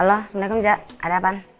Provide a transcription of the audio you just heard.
halo assalamualaikum mbak ada apaan